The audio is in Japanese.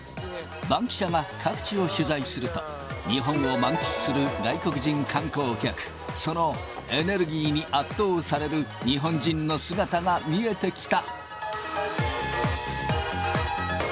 バンキシャが各地を取材すると、日本を満喫する外国人観光客、そのエネルギーに圧倒される日本人の姿が見えてきた。